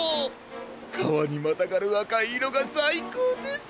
かわにまたがるあかいいろがさいこうです！